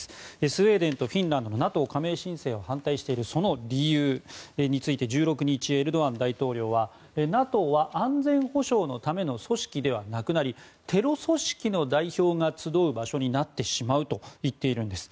スウェーデンとフィンランドＮＡＴＯ加盟申請に反対しているその理由について１６日エルドアン大統領はＮＡＴＯは安全保障のための組織ではなくなりテロ組織の代表が集う場所になってしまうと言っているんです。